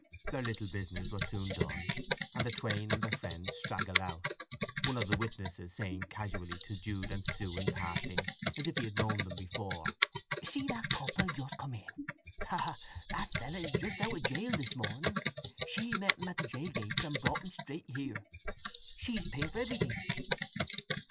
Their little business was soon done, and the twain and their friends straggled out, one of the witnesses saying casually to Jude and Sue in passing, as if he had known them before: "See the couple just come in? Ha, ha! That fellow is just out of gaol this morning. She met him at the gaol gates, and brought him straight here. She's paying for everything."